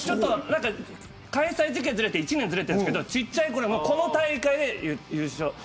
開催時期が１年ずれたんですけど小さいころにこの大会で優勝と。